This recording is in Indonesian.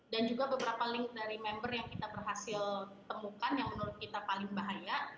dan juga beberapa link dari member yang kita berhasil temukan yang menurut kita paling bahaya